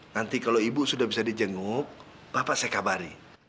nanti kalau ibu sudah bisa dijenguk bapak saya kabari